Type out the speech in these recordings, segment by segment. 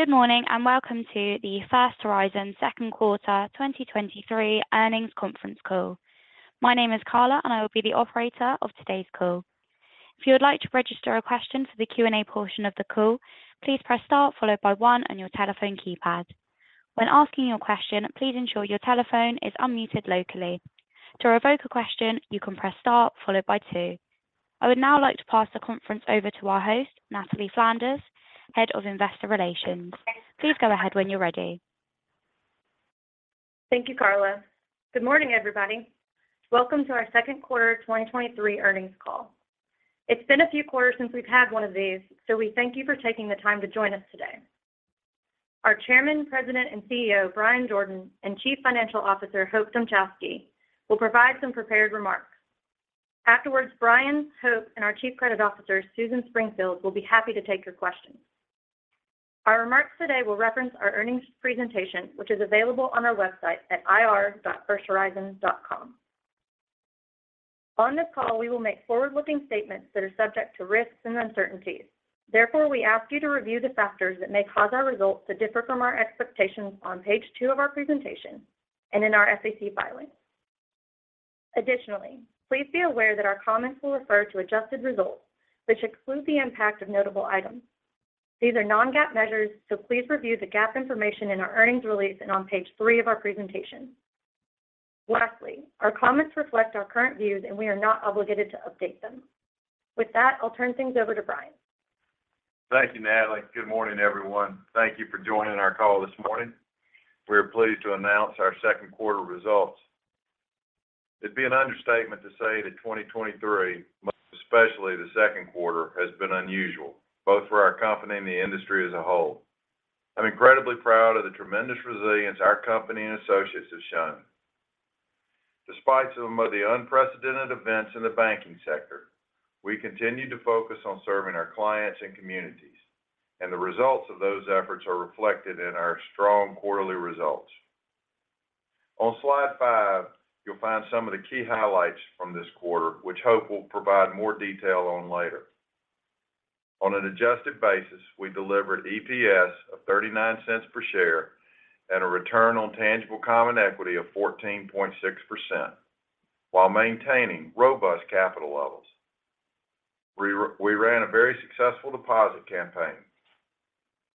Good morning, welcome to the First Horizon second quarter 2023 earnings conference call. My name is Carla. I will be the operator of today's call. If you would like to register a question for the Q&A portion of the call, please press Star followed by 1 on your telephone keypad. When asking your question, please ensure your telephone is unmuted locally. To revoke a question, you can press Star followed by 2. I would now like to pass the conference over to our host, Natalie Flanders, Head of Investor Relations. Please go ahead when you're ready. Thank you, Carla. Good morning, everybody. Welcome to our second quarter 2023 earnings call. It's been a few quarters since we've had one of these, so we thank you for taking the time to join us today. Our Chairman, President, and CEO, Bryan Jordan, and Chief Financial Officer, Hope Dmuchowski, will provide some prepared remarks. Afterwards, Bryan, Hope, and our Chief Credit Officer, Susan Springfield, will be happy to take your questions. Our remarks today will reference our earnings presentation, which is available on our website at ir.firsthorizon.com. On this call, we will make forward-looking statements that are subject to risks and uncertainties. Therefore, we ask you to review the factors that may cause our results to differ from our expectations on page 2 of our presentation and in our SEC filings. Additionally, please be aware that our comments will refer to adjusted results, which exclude the impact of notable items. These are non-GAAP measures. Please review the GAAP information in our earnings release and on page 3 of our presentation. Lastly, our comments reflect our current views. We are not obligated to update them. With that, I'll turn things over to Bryan. Thank you, Natalie. Good morning, everyone. Thank you for joining our call this morning. We are pleased to announce our second quarter results. It'd be an understatement to say that 2023, most especially the second quarter, has been unusual, both for our company and the industry as a whole. I'm incredibly proud of the tremendous resilience our company and associates have shown. Despite some of the unprecedented events in the banking sector, we continue to focus on serving our clients and communities, and the results of those efforts are reflected in our strong quarterly results. On slide 5, you'll find some of the key highlights from this quarter, which Hope will provide more detail on later. On an adjusted basis, we delivered EPS of $0.39 per share and a return on tangible common equity of 14.6% while maintaining robust capital levels. We ran a very successful deposit campaign.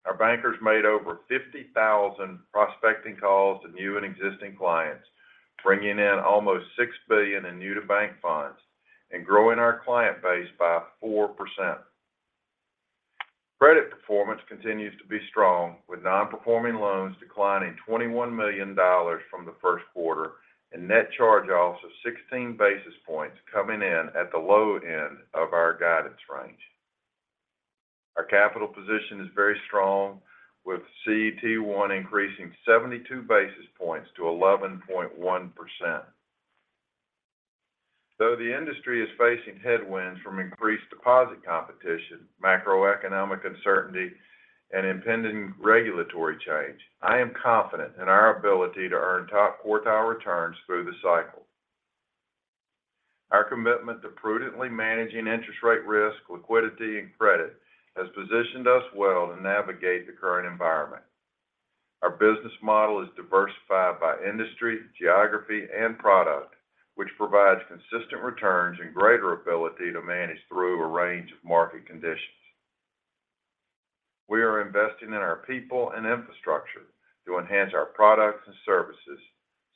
Our bankers made over 50,000 prospecting calls to new and existing clients, bringing in almost $6 billion in new-to-bank funds and growing our client base by 4%. Credit performance continues to be strong, with non-performing loans declining $21 million from the first quarter and net charge-offs of 16 basis points coming in at the low end of our guidance range. Our capital position is very strong, with CET1 increasing 72 basis points to 11.1%. The industry is facing headwinds from increased deposit competition, macroeconomic uncertainty, and impending regulatory change, I am confident in our ability to earn top quartile returns through the cycle. Our commitment to prudently managing interest rate risk, liquidity, and credit has positioned us well to navigate the current environment. Our business model is diversified by industry, geography, and product, which provides consistent returns and greater ability to manage through a range of market conditions. We are investing in our people and infrastructure to enhance our products and services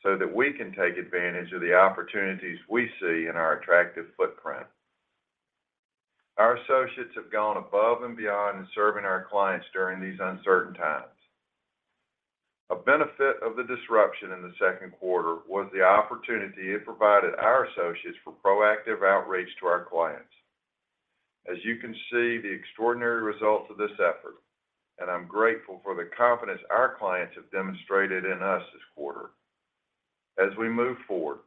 so that we can take advantage of the opportunities we see in our attractive footprint. Our associates have gone above and beyond in serving our clients during these uncertain times. A benefit of the disruption in the second quarter was the opportunity it provided our associates for proactive outreach to our clients. As you can see, the extraordinary results of this effort, and I'm grateful for the confidence our clients have demonstrated in us this quarter. As we move forward,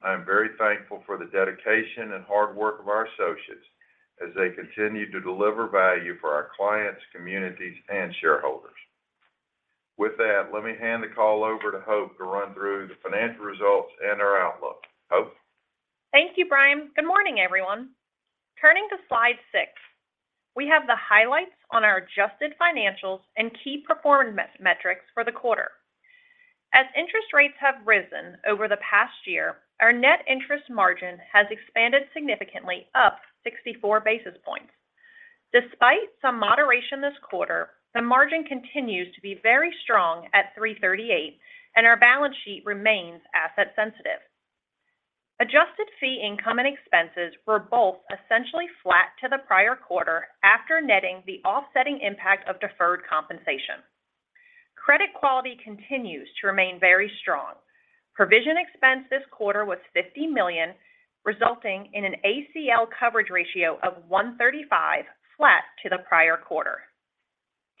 I am very thankful for the dedication and hard work of our associates as they continue to deliver value for our clients, communities, and shareholders. With that, let me hand the call over to Hope to run through the financial results and our outlook. Hope? Thank you, Bryan. Good morning, everyone. Turning to slide 6, we have the highlights on our adjusted financials and key performance metrics for the quarter. As interest rates have risen over the past year, our net interest margin has expanded significantly, up 64 basis points. Despite some moderation this quarter, the margin continues to be very strong at 3.38, and our balance sheet remains asset sensitive. Adjusted fee income and expenses were both essentially flat to the prior quarter after netting the offsetting impact of deferred compensation. Credit quality continues to remain very strong. Provision expense this quarter was $50 million, resulting in an ACL coverage ratio of 135, flat to the prior quarter.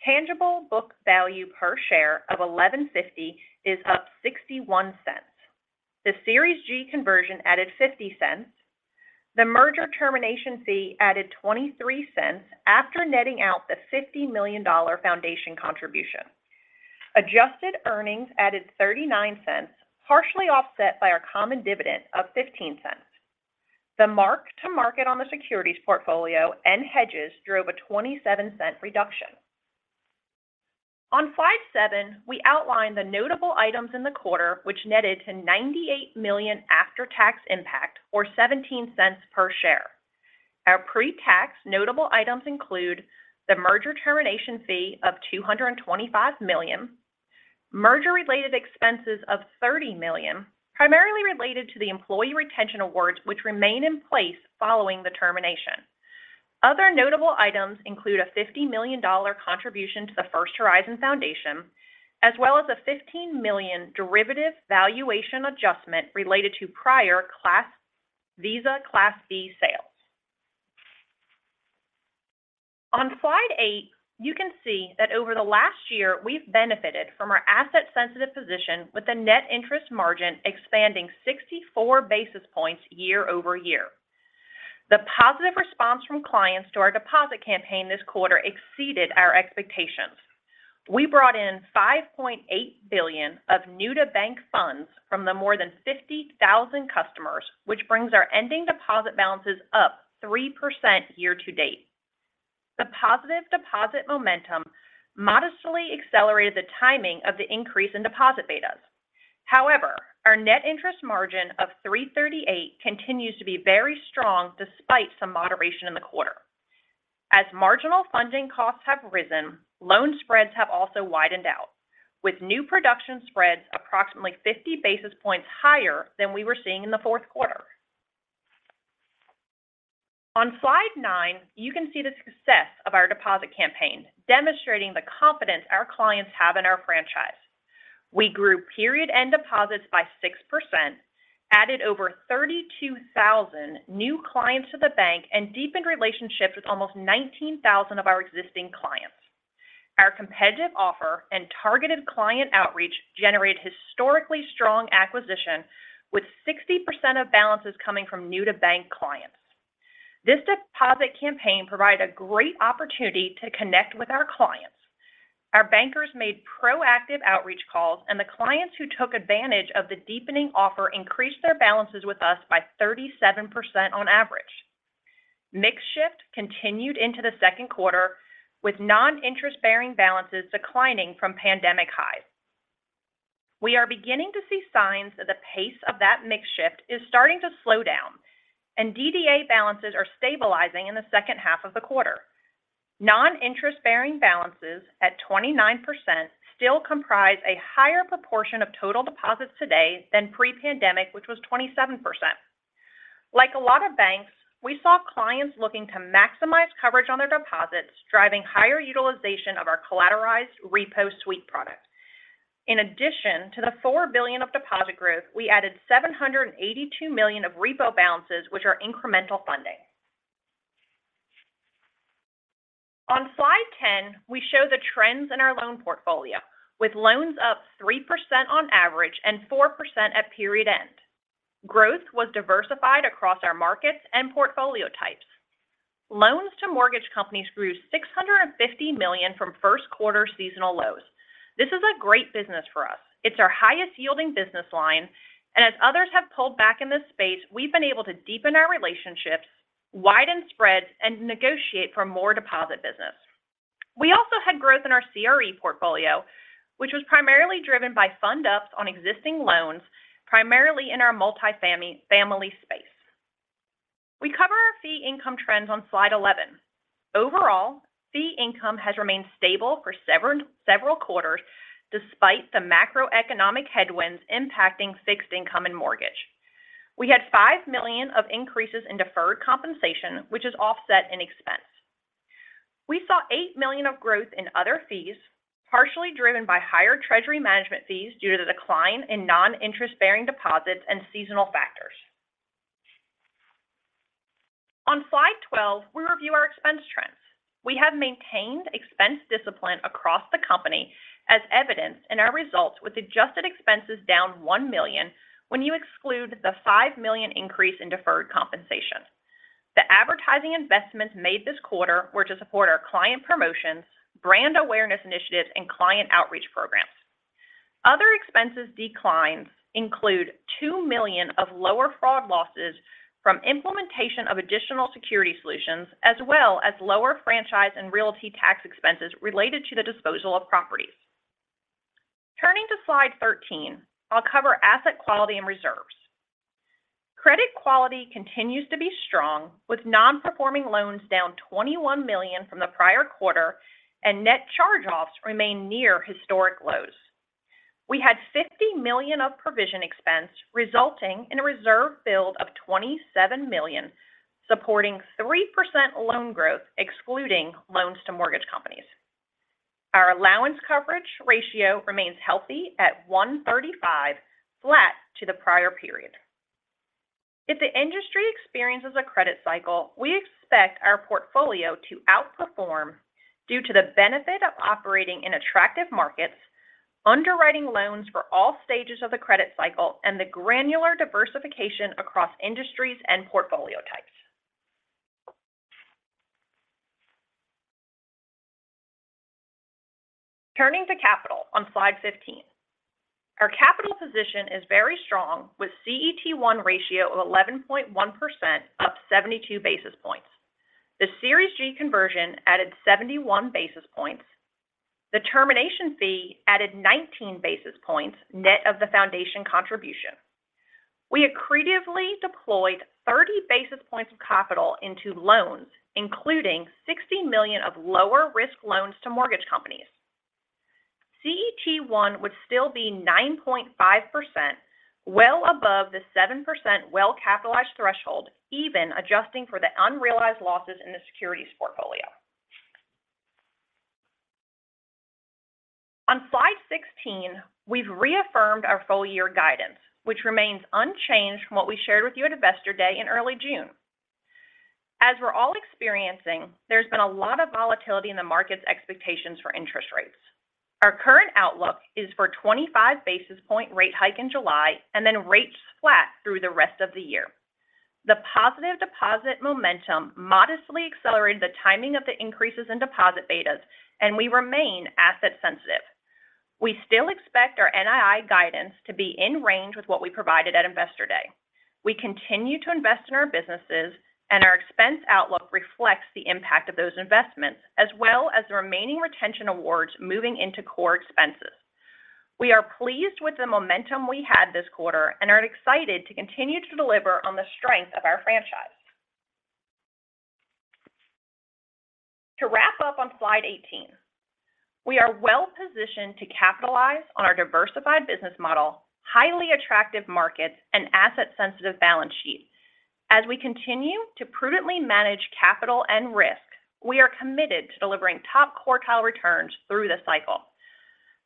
Tangible book value per share of $11.50 is up $0.61. The Series G conversion added $0.50. The merger termination fee added $0.23 after netting out the $50 million Foundation contribution. Adjusted earnings added $0.39, partially offset by our common dividend of $0.15. The mark to market on the securities portfolio and hedges drove a $0.27 reduction. On Slide 7, we outline the notable items in the quarter, which netted to $98 million after-tax impact or $0.17 per share. Our pre-tax notable items include the merger termination fee of $225 million, merger-related expenses of $30 million, primarily related to the employee retention awards, which remain in place following the termination. Other notable items include a $50 million contribution to the First Horizon Foundation, as well as a $15 million derivative valuation adjustment related to prior Visa Class B sales. On slide 8, you can see that over the last year, we've benefited from our asset-sensitive position with a net interest margin expanding 64 basis points year-over-year. The positive response from clients to our deposit campaign this quarter exceeded our expectations. We brought in $5.8 billion of new to bank funds from the more than 50,000 customers, which brings our ending deposit balances up 3% year to date. The positive deposit momentum modestly accelerated the timing of the increase in deposit betas. However, our net interest margin of 3.38 continues to be very strong despite some moderation in the quarter. As marginal funding costs have risen, loan spreads have also widened out, with new production spreads approximately 50 basis points higher than we were seeing in the fourth quarter. On slide 9, you can see the success of our deposit campaign, demonstrating the confidence our clients have in our franchise. We grew period end deposits by 6%, added over 32,000 new clients to the bank, and deepened relationships with almost 19,000 of our existing clients. Our competitive offer and targeted client outreach generated historically strong acquisition, with 60% of balances coming from new to bank clients. This deposit campaign provided a great opportunity to connect with our clients. Our bankers made proactive outreach calls, the clients who took advantage of the deepening offer increased their balances with us by 37% on average. Mix shift continued into the second quarter, with non-interest-bearing balances declining from pandemic highs. We are beginning to see signs that the pace of that mix shift is starting to slow down, and DDA balances are stabilizing in the second half of the quarter. Non-interest-bearing balances at 29% still comprise a higher proportion of total deposits today than pre-pandemic, which was 27%. Like a lot of banks, we saw clients looking to maximize coverage on their deposits, driving higher utilization of our collateralized repo sweep product. In addition to the $4 billion of deposit growth, we added $782 million of repo balances, which are incremental funding. On slide 10, we show the trends in our loan portfolio, with loans up 3% on average and 4% at period end. Growth was diversified across our markets and portfolio types. Loans to mortgage companies grew $650 million from first quarter seasonal lows. This is a great business for us. It's our highest yielding business line. As others have pulled back in this space, we've been able to deepen our relationships, widen spreads, and negotiate for more deposit business. We also had growth in our CRE portfolio, which was primarily driven by fund ups on existing loans, primarily in our multifamily space. We cover our fee income trends on slide 11. Overall, fee income has remained stable for several quarters despite the macroeconomic headwinds impacting fixed income and mortgage. We had $5 million of increases in deferred compensation, which is offset in expense. We saw $8 million of growth in other fees, partially driven by higher treasury management fees due to the decline in non-interest-bearing deposits and seasonal factors. On slide 12, we review our expense trends. We have maintained expense discipline across the company, as evidenced in our results with adjusted expenses down $1 million when you exclude the $5 million increase in deferred compensation. The advertising investments made this quarter were to support our client promotions, brand awareness initiatives, and client outreach programs. Other expenses declines include $2 million of lower fraud losses from implementation of additional security solutions, as well as lower franchise and realty tax expenses related to the disposal of properties. Turning to slide 13, I'll cover asset quality and reserves. Credit quality continues to be strong, with non-performing loans down $21 million from the prior quarter and net charge-offs remain near historic lows. We had $50 million of provision expense, resulting in a reserve build of $27 million, supporting 3% loan growth, excluding loans to mortgage companies. Our allowance coverage ratio remains healthy at 135, flat to the prior period. If the industry experiences a credit cycle, we expect our portfolio to outperform due to the benefit of operating in attractive markets, underwriting loans for all stages of the credit cycle, and the granular diversification across industries and portfolio types. Turning to capital on slide 15. Our capital position is very strong, with CET1 ratio of 11.1%, up 72 basis points. The Series G conversion added 71 basis points. The termination fee added 19 basis points net of the foundation contribution. We accretively deployed 30 basis points of capital into loans, including $60 million of lower-risk loans to mortgage companies. CET1 would still be 9.5%, well above the 7% well-capitalized threshold, even adjusting for the unrealized losses in the securities portfolio. On slide 16, we've reaffirmed our full year guidance, which remains unchanged from what we shared with you at Investor Day in early June. As we're all experiencing, there's been a lot of volatility in the market's expectations for interest rates. Our current outlook is for a 25 basis point rate hike in July and then rates flat through the rest of the year. The positive deposit momentum modestly accelerated the timing of the increases in deposit betas, and we remain asset sensitive. We still expect our NII guidance to be in range with what we provided at Investor Day. We continue to invest in our businesses, and our expense outlook reflects the impact of those investments, as well as the remaining retention awards moving into core expenses. We are pleased with the momentum we had this quarter and are excited to continue to deliver on the strength of our franchise. To wrap up on slide 18, we are well positioned to capitalize on our diversified business model, highly attractive markets, and asset-sensitive balance sheet. As we continue to prudently manage capital and risk, we are committed to delivering top quartile returns through the cycle.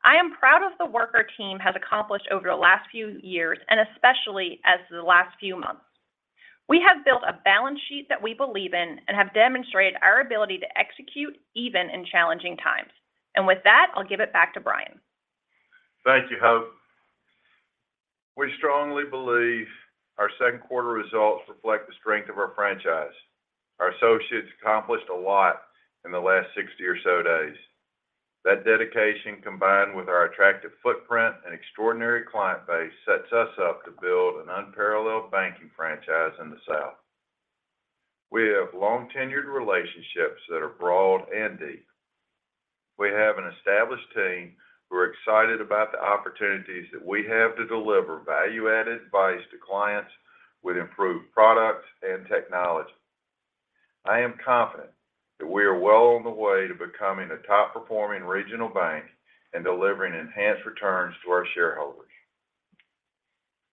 I am proud of the work our team has accomplished over the last few years, and especially as the last few months. We have built a balance sheet that we believe in and have demonstrated our ability to execute even in challenging times. With that, I'll give it back to Bryan. Thank you, Hope. We strongly believe our second quarter results reflect the strength of our franchise. Our associates accomplished a lot in the last 60 or so days. That dedication, combined with our attractive footprint and extraordinary client base, sets us up to build an unparalleled banking franchise in the South. We have long-tenured relationships that are broad and deep. We have an established team who are excited about the opportunities that we have to deliver value-added advice to clients with improved products and technology. I am confident that we are well on the way to becoming a top-performing regional bank and delivering enhanced returns to our shareholders.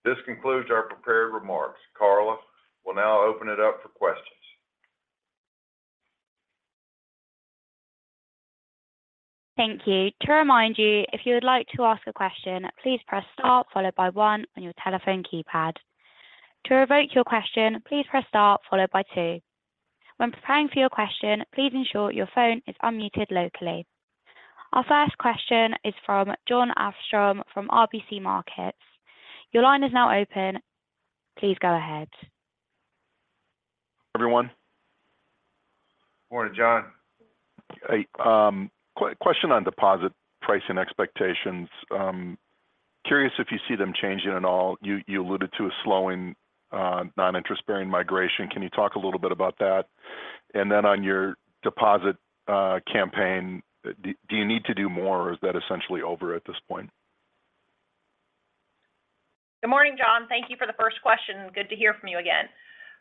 This concludes our prepared remarks. Carla will now open it up for questions. Thank you. To remind you, if you would like to ask a question, please press star followed by 1 on your telephone keypad. To revoke your question, please press star followed by 2. When preparing for your question, please ensure your phone is unmuted locally. Our first question is from Jon Armstrong from RBC Capital Markets. Your line is now open. Please go ahead. Everyone. Morning, Jon. Hey, question on deposit pricing expectations. Curious if you see them changing at all. You alluded to a slowing non-interest bearing migration. Can you talk a little bit about that? Then on your deposit campaign, do you need to do more, or is that essentially over at this point? Good morning, Jon. Thank you for the first question. Good to hear from you again. Yep.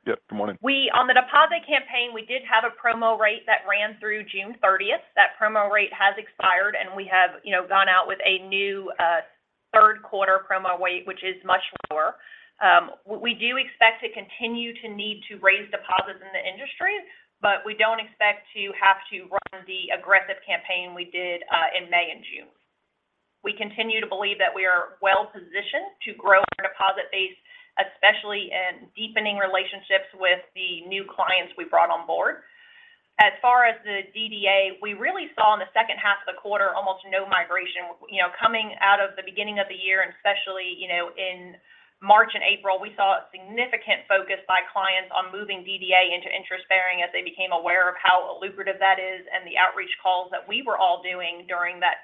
Good morning. On the deposit campaign, we did have a promo rate that ran through June 30th. That promo rate has expired, and we have, you know, gone out with a new, 3rd-quarter promo rate, which is much lower. We do expect to continue to need to raise deposits in the industry. We don't expect to have to run the aggressive campaign we did in May and June. We continue to believe that we are well positioned to grow our deposit base, especially in deepening relationships with the new clients we brought on board. As far as the DDA, we really saw in the 2nd half of the quarter, almost no migration. You know, coming out of the beginning of the year, and especially, you know, in March and April, we saw a significant focus by clients on moving DDA into interest bearing as they became aware of how lucrative that is and the outreach calls that we were all doing during that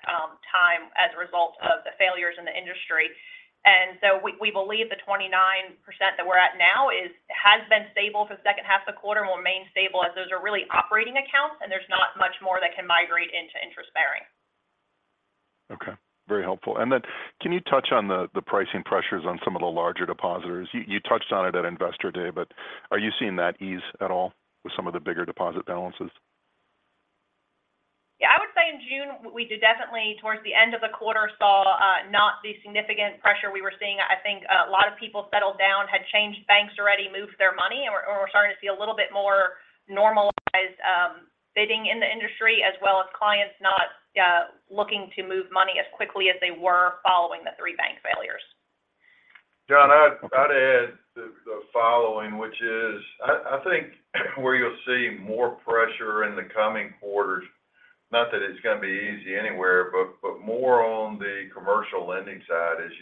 time as a result of the failures in the industry. We, we believe the 29% that we're at now has been stable for the second half of the quarter and will remain stable, as those are really operating accounts, and there's not much more that can migrate into interest bearing. Okay. Very helpful. Can you touch on the pricing pressures on some of the larger depositors? You touched on it at Investor Day, are you seeing that ease at all with some of the bigger deposit balances? Yeah, I would say in June, we did definitely, towards the end of the quarter, saw not the significant pressure we were seeing. I think a lot of people settled down, had changed banks already, moved their money, and we're starting to see a little bit more normalized bidding in the industry, as well as clients not looking to move money as quickly as they were following the three bank failures. Jon, I'd add the following, which is, I think where you'll see more pressure in the coming quarters, not that it's going to be easy anywhere, but more on the commercial lending side. As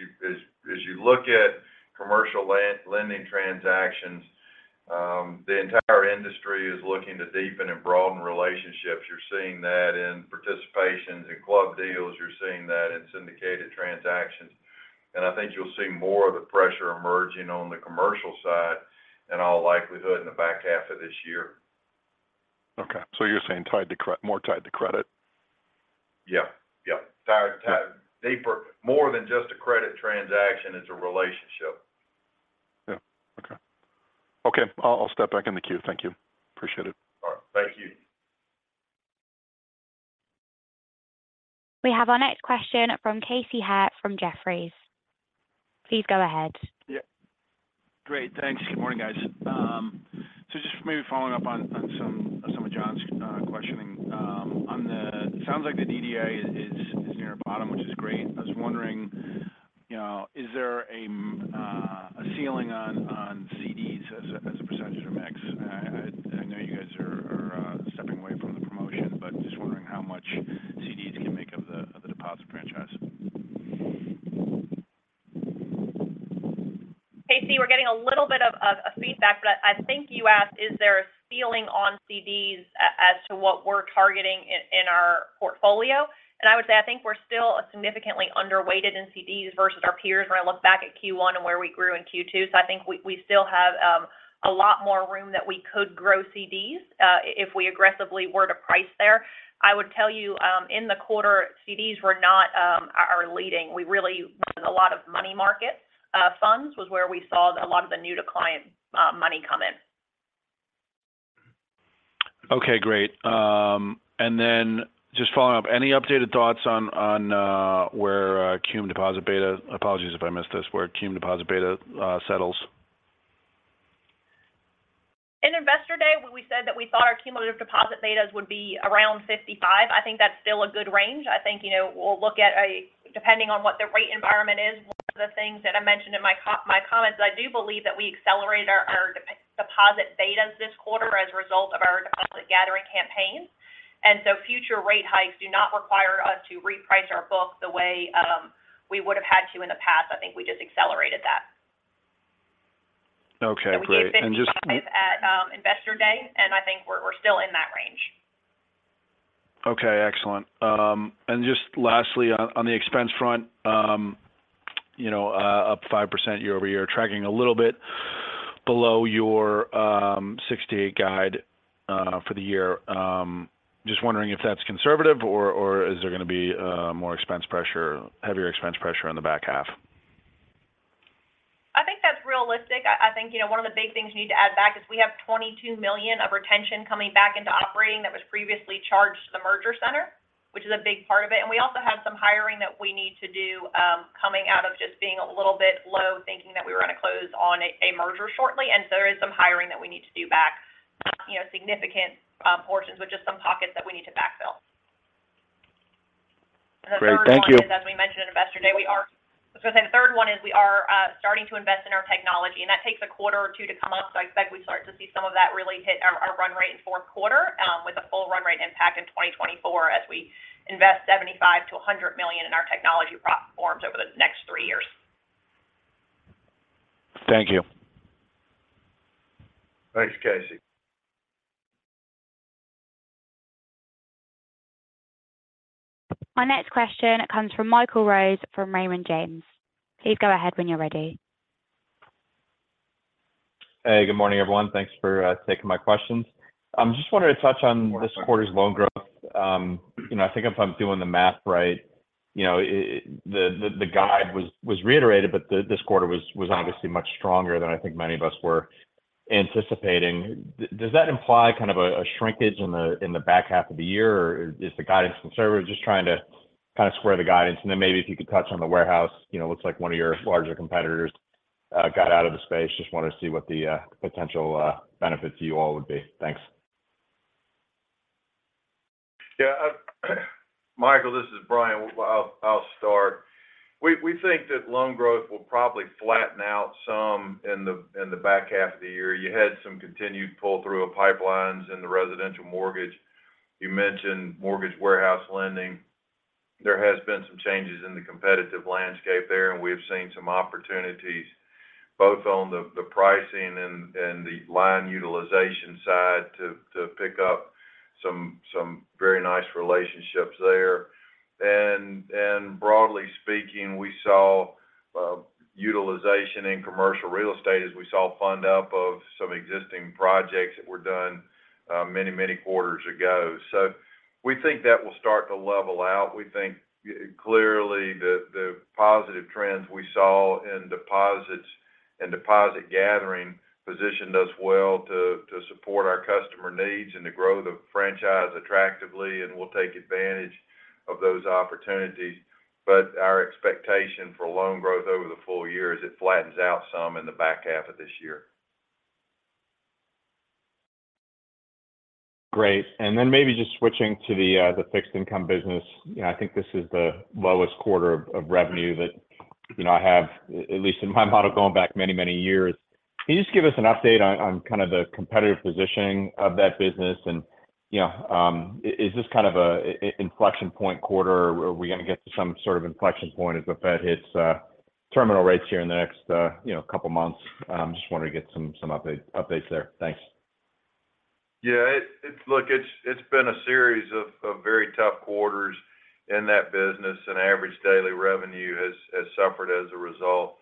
you look at commercial lending transactions, the entire industry is looking to deepen and broaden relationships. You're seeing that in participations, in club deals, you're seeing that in syndicated transactions. I think you'll see more of the pressure emerging on the commercial side in all likelihood, in the back half of this year. Okay. You're saying tied to credit, more tied to credit? Yeah. Tied. Deeper. More than just a credit transaction, it's a relationship. Yeah. Okay. Okay, I'll step back in the queue. Thank you. Appreciate it. All right, thank you. We have our next question from Casey Haire from Jefferies. Please go ahead. Yeah. Great. Thanks. Good morning, guys. Just maybe following up on some of Jon's questioning, it sounds like the DDA is near a bottom, which is great. I was wondering, you know, is there a ceiling on CDs as a percentage of X? I know you guys are stepping away from the promotion, but just wondering how much CDs can make of the deposit franchise. Casey, we're getting a little bit of feedback, but I think you asked, is there a ceiling on CDs as to what we're targeting in our portfolio? I would say, I think we're still significantly underweighted in CDs versus our peers, when I look back at Q1 and where we grew in Q2. I think we still have a lot more room that we could grow CDs if we aggressively were to price there. I would tell you, in the quarter, CDs were not our. We really, a lot of money market funds, was where we saw a lot of the new to client money come in. Okay, great. And then just following up, any updated thoughts on apologies if I missed this, where cum deposit beta settles? In Investor Day, when we said that we thought our cumulative deposit betas would be around 55%, I think that's still a good range. I think, you know, we'll look at depending on what the rate environment is. One of the things that I mentioned in my comments, is I do believe that we accelerated our deposit betas this quarter as a result of our deposit gathering campaign. Future rate hikes do not require us to reprice our book the way we would have had to in the past. I think we just accelerated that. Okay, great. At Investor Day, and I think we're still in that range. Okay, excellent. Just lastly, on the expense front, you know, up 5% year-over-year, tracking a little bit below your 68 guide for the year. Just wondering if that's conservative or is there going to be more expense pressure, heavier expense pressure in the back half? I think that's realistic. I think, you know, one of the big things you need to add back is we have $22 million of retention coming back into operating that was previously charged to the merger center, which is a big part of it. We also have some hiring that we need to do, coming out of just being a little bit low, thinking that we were going to close on a merger shortly. There is some hiring that we need to do back, you know, significant portions, but just some pockets that we need to backfill. Great, thank you. As we mentioned at Investor Day, we are starting to invest in our technology, and that takes a quarter or two to come up. I expect we start to see some of that really hit our run rate in fourth quarter with a full run rate impact in 2024 as we invest $75 million-$100 million in our technology platforms over the next three years. Thank you. Thanks, Casey. Our next question comes from Michael Rose, from Raymond James. Please go ahead when you're ready. Hey, good morning, everyone. Thanks for taking my questions. I just wanted to touch on this quarter's loan growth. You know, I think if I'm doing the math right, you know, the guide was reiterated, but this quarter was obviously much stronger than I think many of us were anticipating. Does that imply kind of a shrinkage in the back half of the year, or is the guidance conservative? Just trying to kind of square the guidance. Maybe if you could touch on the warehouse. You know, it looks like one of your larger competitors got out of the space. Just wanted to see what the potential benefit to you all would be. Thanks. Yeah, Michael, this is Bryan. I'll start. We think that loan growth will probably flatten out some in the back half of the year. You had some continued pull-through of pipelines in the residential mortgage. You mentioned mortgage warehouse lending. There has been some changes in the competitive landscape there. We've seen some opportunities both on the pricing and the line utilization side to pick up some very nice relationships there. Broadly speaking, we saw utilization in commercial real estate as we saw fund up of some existing projects that were done many quarters ago. We think that will start to level out. We think, clearly, the positive trends we saw in deposits and deposit gathering positioned us well to support our customer needs and to grow the franchise attractively, and we'll take advantage of those opportunities. Our expectation for loan growth over the full year is it flattens out some in the back half of this year. Great. Maybe just switching to the fixed income business. You know, I think this is the lowest quarter of revenue that, you know, I have, at least in my model, going back many, many years. Can you just give us an update on kind of the competitive positioning of that business? Is this kind of an inflection point quarter? Or are we going to get to some sort of inflection point if Federal Reserve hits terminal rates here in the next, you know, couple months? I'm just wondering to get some update, updates there. Thanks. Yeah, look, it's been a series of very tough quarters in that business, and average daily revenue has suffered as a result.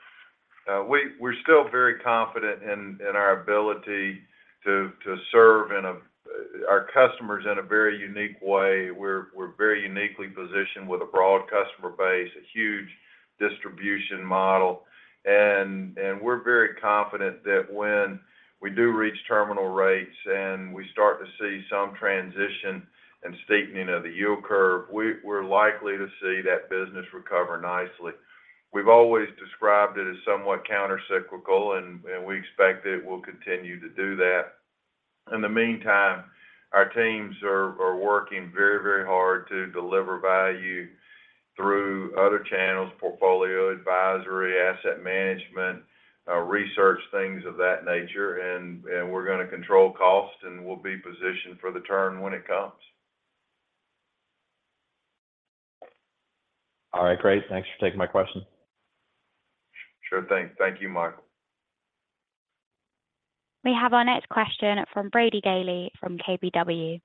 We're still very confident in our ability to serve our customers in a very unique way. We're very uniquely positioned with a broad customer base, a huge distribution model. We're very confident that when we do reach terminal rates, and we start to see some transition and steepening of the yield curve, we're likely to see that business recover nicely. We've always described it as somewhat countercyclical, and we expect it will continue to do that. In the meantime, our teams are working very, very hard to deliver value through other channels: portfolio advisory, asset management, research, things of that nature. We're going to control cost, we'll be positioned for the turn when it comes. All right, great. Thanks for taking my question. Sure thing. Thank you, Michael. We have our next question from Brady Gailey, from KBW.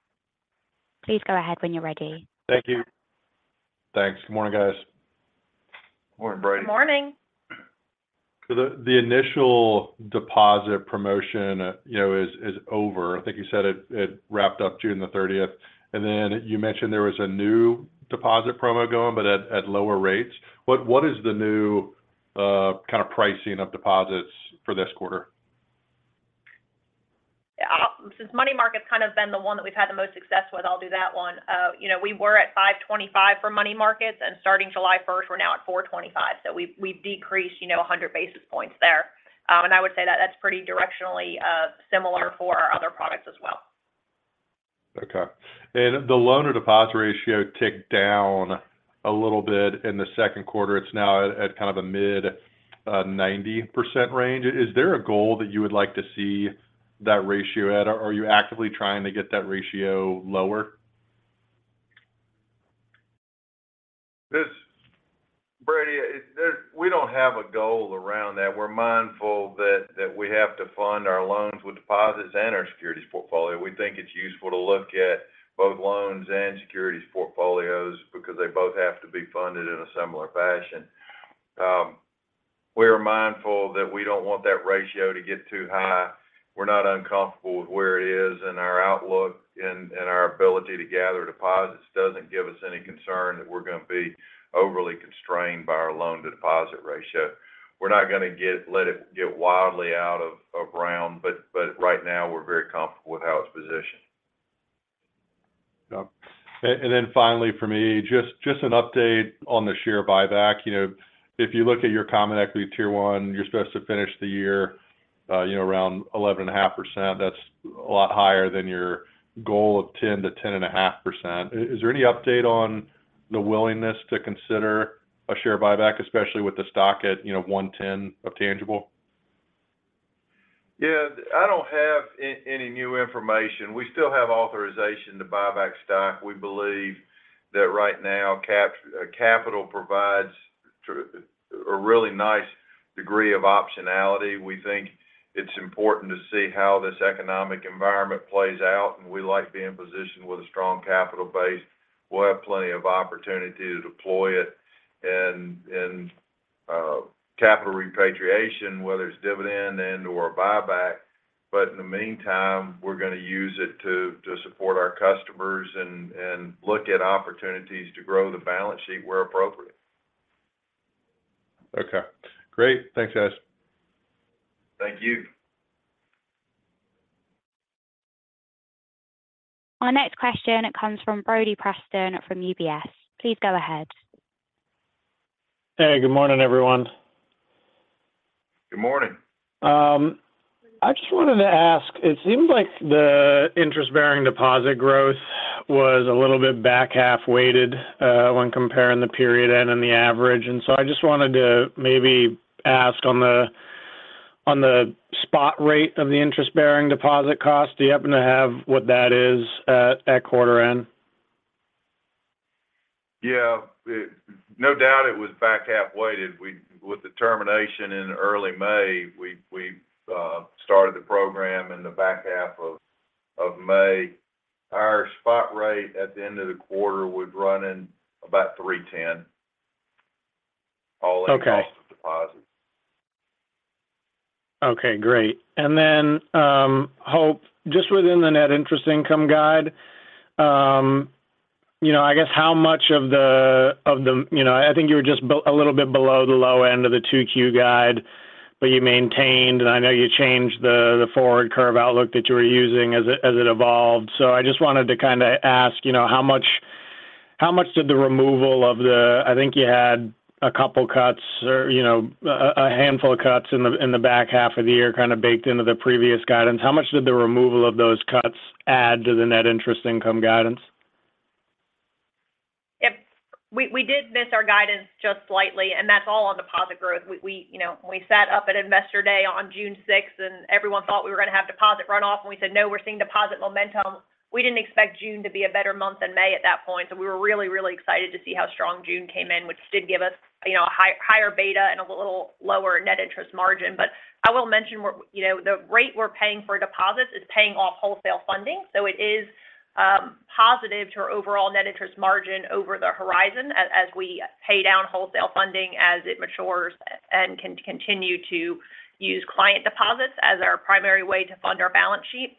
Please go ahead when you're ready. Thank you. Thanks. Good morning, guys. Morning, Brady. Morning! The initial deposit promotion, you know, is over. I think you said it wrapped up June the thirtieth. You mentioned there was a new deposit promo going, but at lower rates. What is the new kind of pricing of deposits for this quarter? Since money market's kind of been the one that we've had the most success with, I'll do that one. You know, we were at 5.25 for money markets, and starting July first, we're now at 4.25. We've decreased, you know, 100 basis points there. I would say that that's pretty directionally similar for our other products as well. Okay. The loan-to-deposit ratio ticked down a little bit in the second quarter. It's now at kind of a mid, 90% range. Is there a goal that you would like to see that ratio at, or are you actively trying to get that ratio lower? Brady, we don't have a goal around that. We're mindful that we have to fund our loans with deposits and our securities portfolio. We think it's useful to look at both loans and securities portfolios because they both have to be funded in a similar fashion. We are mindful that we don't want that ratio to get too high. We're not uncomfortable with where it is, and our outlook and our ability to gather deposits doesn't give us any concern that we're going to be overly constrained by our loan-to-deposit ratio. We're not going to let it get wildly out of round, but right now, we're very comfortable with how it's positioned. Yep. Then finally, for me, just an update on the share buyback. You know, if you look at your Common Equity Tier 1, you're supposed to finish the year, you know, around 11.5%. That's a lot higher than your goal of 10%-10.5%. Is there any update on the willingness to consider a share buyback, especially with the stock at, you know, 1.10 of tangible? Yeah. I don't have any new information. We still have authorization to buy back stock. We believe that right now, capital provides a really nice degree of optionality. We think it's important to see how this economic environment plays out. We like being positioned with a strong capital base. We'll have plenty of opportunity to deploy it and capital repatriation, whether it's dividend and/or a buyback. In the meantime, we're going to use it to support our customers and look at opportunities to grow the balance sheet where appropriate. Okay, great. Thanks, guys. Thank you. Our next question comes from Brody Preston from UBS. Please go ahead. Hey, good morning, everyone. Good morning. I just wanted to ask, it seemed like the interest-bearing deposit growth was a little bit back-half weighted when comparing the period end and the average. I just wanted to maybe ask on the, on the spot rate of the interest-bearing deposit cost, do you happen to have what that is at quarter end? Yeah. No doubt it was back-half weighted. With the termination in early May, we started the program in the back half of May. Our spot rate at the end of the quarter was running about 3.10%. Okay all in cost of deposits. Okay, great. Hope, just within the Net Interest Income guide, you know, I guess how much of the... You know, I think you were just a little bit below the low end of the 2Q guide, but you maintained, and I know you changed the forward curve outlook that you were using as it evolved. I just wanted to kind of ask, you know, how much did the removal of the... I think you had 2 cuts or, you know, a handful of cuts in the back half of the year, kind of baked into the previous guidance. How much did the removal of those cuts add to the Net Interest Income guidance?... If we did miss our guidance just slightly, that's all on deposit growth. We, you know, we sat up at Investor Day on June 6th, everyone thought we were going to have deposit runoff, and we said, "No, we're seeing deposit momentum." We didn't expect June to be a better month than May at that point, we were really, really excited to see how strong June came in, which did give us, you know, a higher beta and a little lower net interest margin. I will mention we're, you know, the rate we're paying for deposits is paying off wholesale funding, it is positive to our overall net interest margin over the horizon as we pay down wholesale funding as it matures and can continue to use client deposits as our primary way to fund our balance sheet.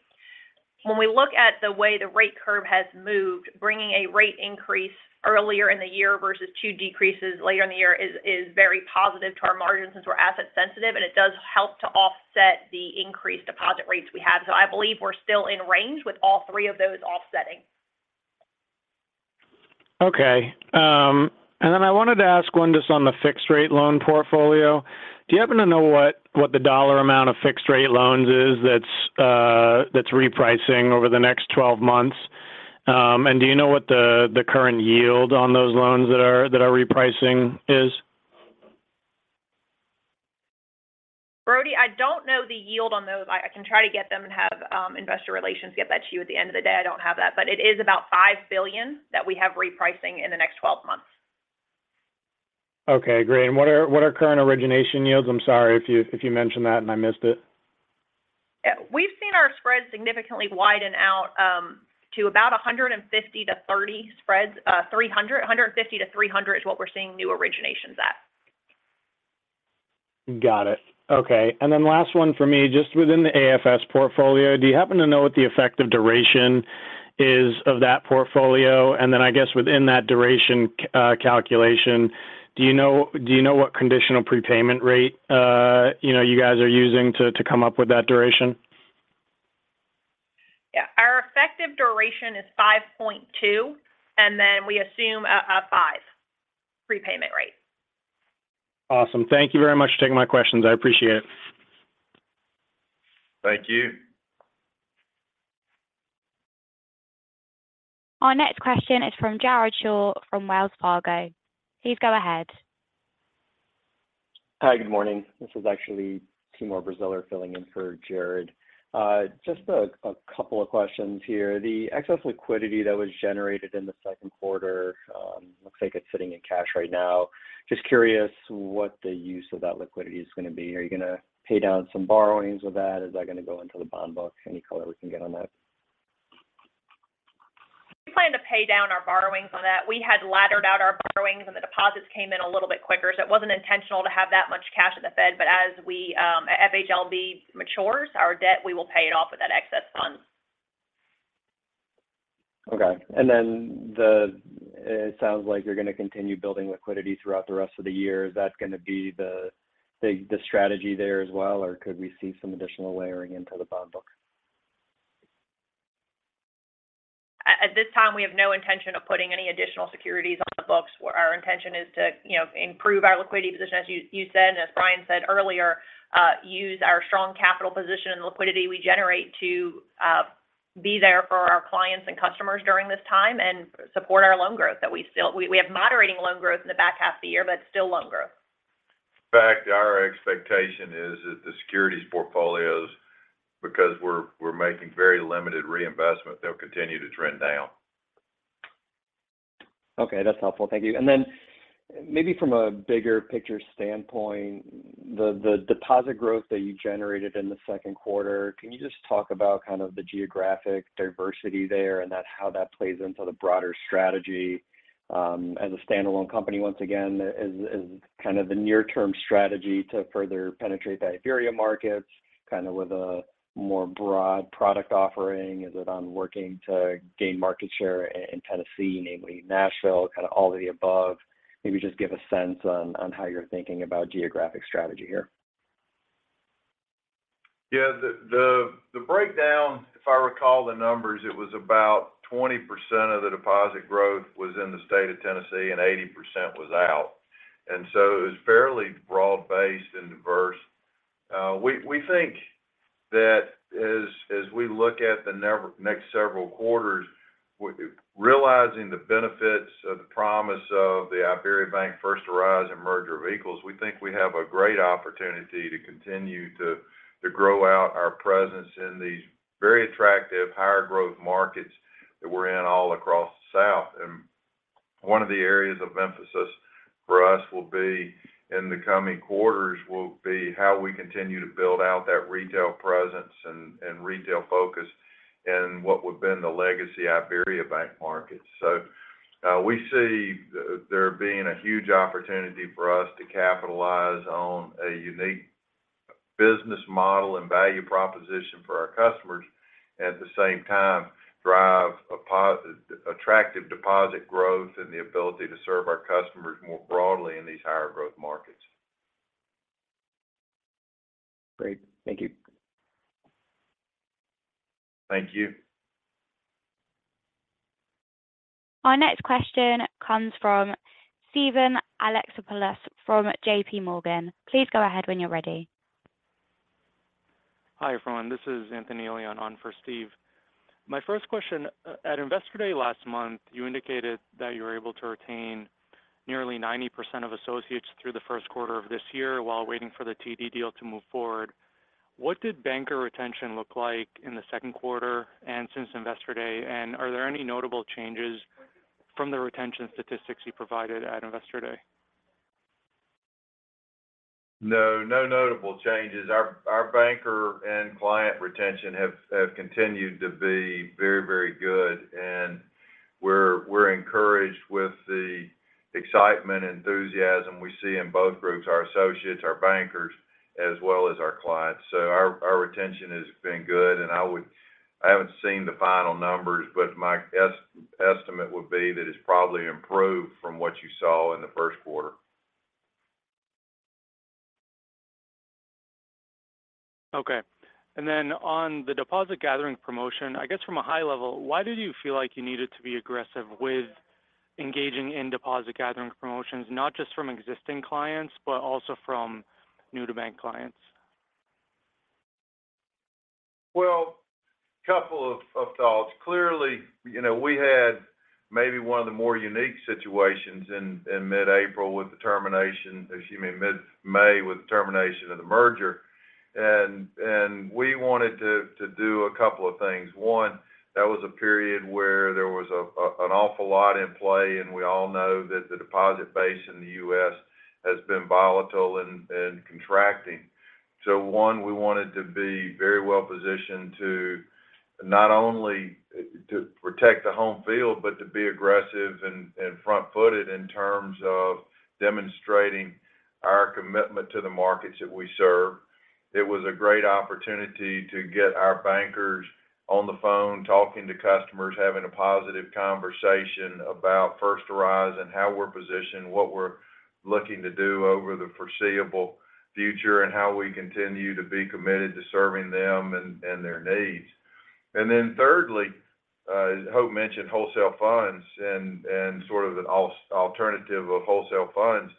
When we look at the way the rate curve has moved, bringing a rate increase earlier in the year versus two decreases later in the year is very positive to our margin since we're asset sensitive, and it does help to offset the increased deposit rates we have. I believe we're still in range with all three of those offsetting. I wanted to ask one just on the fixed rate loan portfolio. Do you happen to know what the $ amount of fixed rate loans is that's repricing over the next 12 months? Do you know what the current yield on those loans that are repricing is? Brody, I don't know the yield on those. I can try to get them and have investor relations get that to you at the end of the day. I don't have that. It is about $5 billion that we have repricing in the next 12 months. Okay, great. What are current origination yields? I'm sorry if you mentioned that, I missed it. We've seen our spreads significantly widen out. 150 to 300 is what we're seeing new originations at. Got it. Okay, last one for me, just within the AFS portfolio, do you happen to know what the effective duration is of that portfolio? I guess within that duration calculation, do you know what conditional prepayment rate, you know, you guys are using to come up with that duration? Yeah. Our effective duration is 5.2, we assume a 5 prepayment rate. Awesome. Thank you very much for taking my questions. I appreciate it. Thank you. Our next question is from Jared Shaw from Wells Fargo. Please go ahead. Hi, good morning. This is actually Timur Braziler filling in for Jared. Just a couple of questions here. The excess liquidity that was generated in the second quarter looks like it's sitting in cash right now. Just curious what the use of that liquidity is going to be. Are you going to pay down some borrowings with that? Is that going to go into the bond book? Any color we can get on that? We plan to pay down our borrowings on that. We had laddered out our borrowings, and the deposits came in a little bit quicker, so it wasn't intentional to have that much cash at Federal Reserve. As we FHLB matures our debt, we will pay it off with that excess funds. Okay. It sounds like you're going to continue building liquidity throughout the rest of the year. Is that going to be the strategy there as well, or could we see some additional layering into the bond book? At this time, we have no intention of putting any additional securities on the books. Our intention is to, you know, improve our liquidity position, as you said, and as Bryan said earlier, use our strong capital position and liquidity we generate to be there for our clients and customers during this time and support our loan growth that we have moderating loan growth in the back half of the year, but still loan growth. In fact, our expectation is that the securities portfolios, because we're making very limited reinvestment, they'll continue to trend down. Okay, that's helpful. Thank you. Then maybe from a bigger picture standpoint, the deposit growth that you generated in the second quarter, can you just talk about kind of the geographic diversity there and how that plays into the broader strategy as a standalone company? Once again, as kind of the near-term strategy to further penetrate the IBERIABANK markets, kind of with a more broad product offering, is it on working to gain market share in Tennessee, namely Nashville, kind of all of the above? Maybe just give a sense on how you're thinking about geographic strategy here? Yeah, the, the breakdown, if I recall the numbers, it was about 20% of the deposit growth was in the state of Tennessee, and 80% was out, and so it was fairly broad-based and diverse. We, we think that as we look at the next several quarters, we're realizing the benefits of the promise of the IBERIABANK First Horizon merger of equals. We think we have a great opportunity to continue to grow out our presence in these very attractive, higher growth markets that we're in all across the South. One of the areas of emphasis for us will be, in the coming quarters, will be how we continue to build out that retail presence and retail focus in what would have been the legacy IBERIABANK markets. We see there being a huge opportunity for us to capitalize on a unique business model and value proposition for our customers, at the same time, drive attractive deposit growth and the ability to serve our customers more broadly in these higher growth markets. Great. Thank you. Thank you. Our next question comes from Steven Alexopoulos from JPMorgan. Please go ahead when you're ready. Hi, everyone. This is Anthony Elian on for Steve. My first question, at Investor Day last month, you indicated that you were able to retain nearly 90% of associates through the first quarter of this year while waiting for the TD deal to move forward. What did banker retention look like in the second quarter and since Investor Day? Are there any notable changes from the retention statistics you provided at Investor Day? No notable changes. Our banker and client retention have continued to be very good, and we're encouraged with the excitement, enthusiasm we see in both groups, our associates, our bankers, as well as our clients. Our retention has been good, and I haven't seen the final numbers, but my estimate would be that it's probably improved from what you saw in the first quarter. Okay. On the deposit gathering promotion, I guess from a high level, why did you feel like you needed to be aggressive with engaging in deposit gathering promotions, not just from existing clients, but also from new-to-bank clients? Well, couple of thoughts. Clearly, you know, we had maybe one of the more unique situations in mid-April with the termination, excuse me, mid-May with the termination of the merger. We wanted to do a couple of things. One, that was a period where there was an awful lot in play, and we all know that the deposit base in the U.S. has been volatile and contracting. One, we wanted to be very well positioned to not only to protect the home field, but to be aggressive and front-footed in terms of demonstrating our commitment to the markets that we serve. It was a great opportunity to get our bankers on the phone, talking to customers, having a positive conversation about First Horizon, how we're positioned, what we're looking to do over the foreseeable future, and how we continue to be committed to serving them and their needs. Thirdly, Hope mentioned wholesale funds and sort of an alternative of wholesale funds.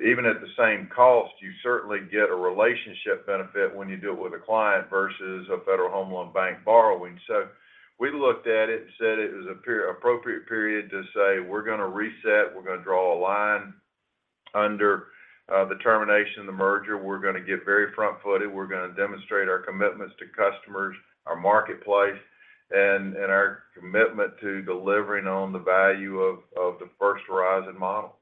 Even at the same cost, you certainly get a relationship benefit when you do it with a client versus a Federal Home Loan Bank borrowing. We looked at it and said it was an appropriate period to say, we're going to reset, we're going to draw a line under the termination of the merger. We're going to get very front-footed. We're going to demonstrate our commitments to customers, our marketplace, and our commitment to delivering on the value of the First Horizon model.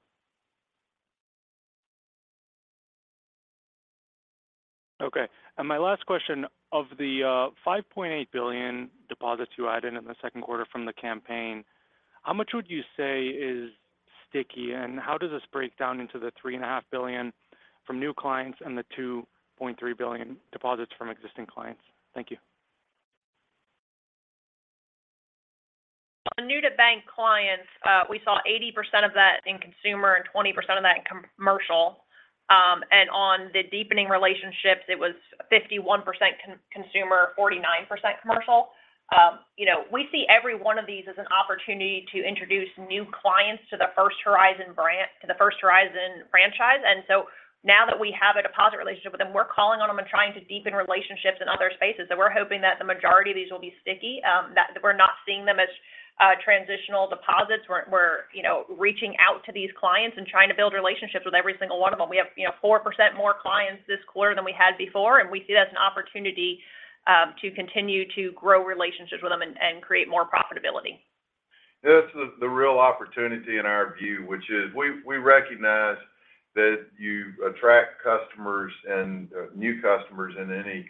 Okay. My last question, of the $5.8 billion deposits you added in the second quarter from the campaign, how much would you say is sticky? How does this break down into the $3.5 billion from new clients and the $2.3 billion deposits from existing clients? Thank you. On new-to-bank clients, we saw 80% of that in consumer and 20% of that in commercial. On the deepening relationships, it was 51% consumer, 49% commercial. You know, we see every one of these as an opportunity to introduce new clients to the First Horizon brand, to the First Horizon franchise. Now that we have a deposit relationship with them, we're calling on them and trying to deepen relationships in other spaces. We're hoping that the majority of these will be sticky, that we're not seeing them as transitional deposits. We're, you know, reaching out to these clients and trying to build relationships with every single one of them. We have, you know, 4% more clients this quarter than we had before, and we see that as an opportunity to continue to grow relationships with them and create more profitability. That's the real opportunity in our view, which is we recognize that you attract customers and new customers in any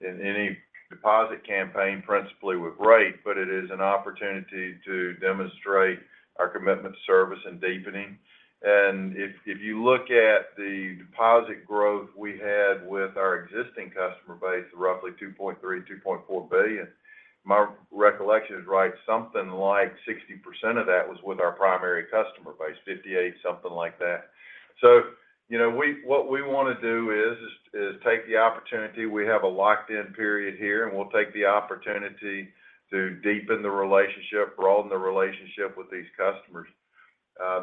deposit campaign, principally with rate, but it is an opportunity to demonstrate our commitment to service and deepening. If you look at the deposit growth we had with our existing customer base, roughly $2.3 billion-$2.4 billion, my recollection is right, something like 60% of that was with our primary customer base, 58%, something like that. You know, what we want to do is take the opportunity. We have a locked-in period here, and we'll take the opportunity to deepen the relationship, broaden the relationship with these customers.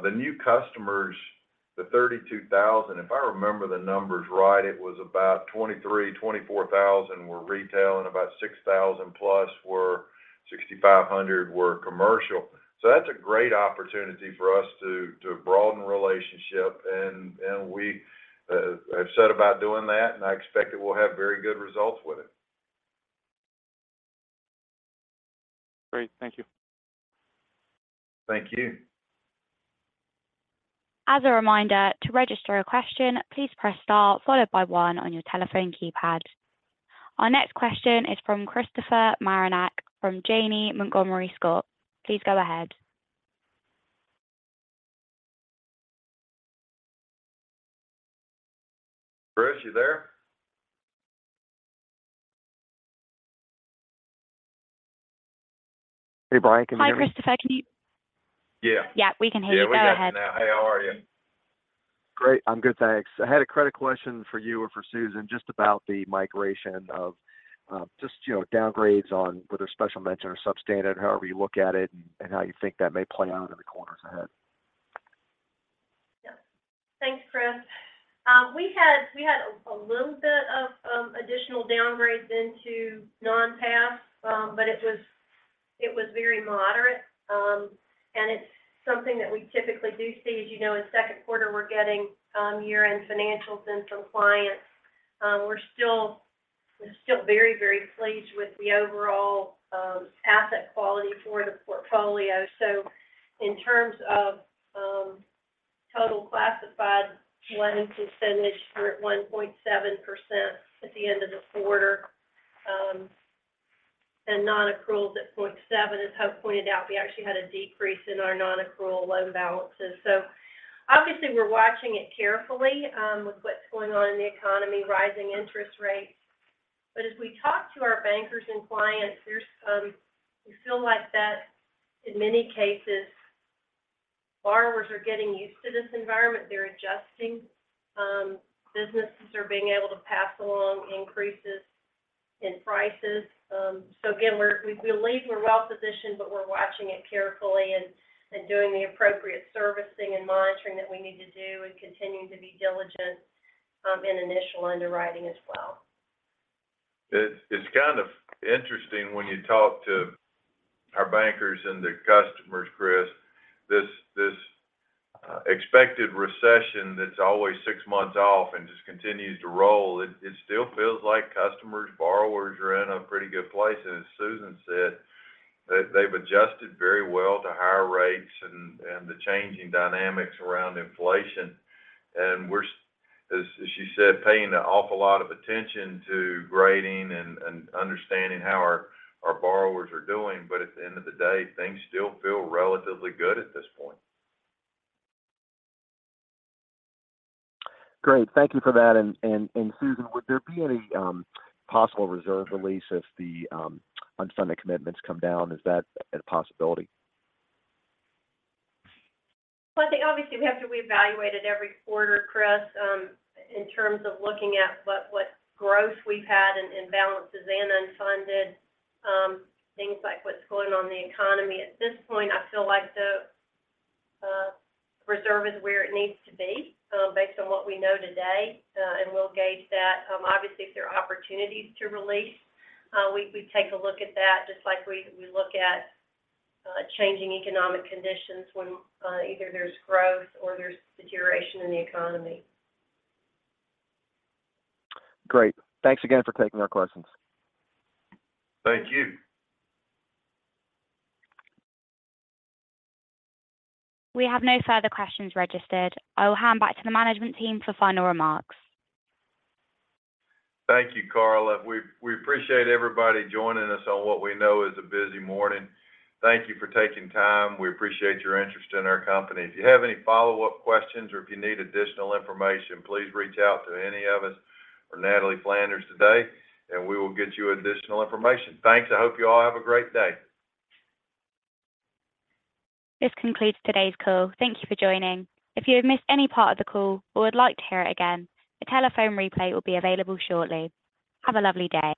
The new customers, the 32,000, if I remember the numbers right, it was about 23,000, 24,000 were retail and about 6,000+ were, 6,500 were commercial. That's a great opportunity for us to broaden relationship, and we have set about doing that, and I expect it will have very good results with it. Great. Thank you. Thank you. As a reminder, to register a question, please press star followed by one on your telephone keypad. Our next question is from Christopher Marinac from Janney Montgomery Scott. Please go ahead. Chris, you there? Hey, Bryan, can you hear me? Hi, Christopher. Yeah. Yeah, we can hear you. Go ahead. Yeah, we got you now. How are you? Great. I'm good, thanks. I had a credit question for you or for Susan, just about the migration of, just, you know, downgrades on whether special mention or substandard, however you look at it, and how you think that may play out in the quarters ahead. Thanks, Chris. We had a little bit of additional downgrades into non-pass. It was very moderate. It's something that we typically do see. As you know, in second quarter, we're getting year-end financials from clients. We're still very, very pleased with the overall asset quality for the portfolio. In terms of total classified lending percentage, we're at 1.7% at the end of the quarter, and non-accruals at 0.7%. As Hope pointed out, we actually had a decrease in our non-accrual loan balances. Obviously, we're watching it carefully with what's going on in the economy, rising interest rates. As we talk to our bankers and clients, there's we feel like that in many cases, borrowers are getting used to this environment. They're adjusting. Businesses are being able to pass along increases in prices. Again, we believe we're well-positioned, but we're watching it carefully and doing the appropriate servicing and monitoring that we need to do, and continuing to be diligent, in initial underwriting as well. It's kind of interesting when you talk to our bankers and their customers, Chris, this expected recession that's always six months off and just continues to roll, it still feels like customers, borrowers are in a pretty good place. As Susan said, they've adjusted very well to higher rates and the changing dynamics around inflation. We're, as she said, paying an awful lot of attention to grading and understanding how our borrowers are doing. At the end of the day, things still feel relatively good at this point. Great. Thank you for that. Susan, would there be any possible reserve release if the unfunded commitments come down? Is that a possibility? Well, I think obviously, we have to reevaluate it every quarter, Chris, in terms of looking at what growth we've had in balances and unfunded, things like what's going on in the economy. At this point, I feel like the reserve is where it needs to be, based on what we know today. We'll gauge that. Obviously, if there are opportunities to release, we take a look at that, just like we look at changing economic conditions when either there's growth or there's deterioration in the economy. Great. Thanks again for taking our questions. Thank you. We have no further questions registered. I will hand back to the management team for final remarks. Thank you, Carla. We appreciate everybody joining us on what we know is a busy morning. Thank you for taking time. We appreciate your interest in our company. If you have any follow-up questions or if you need additional information, please reach out to any of us or Natalie Flanders today, and we will get you additional information. Thanks. I hope you all have a great day. This concludes today's call. Thank you for joining. If you have missed any part of the call or would like to hear it again, a telephone replay will be available shortly. Have a lovely day.